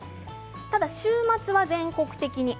ただ週末は全国的に雨。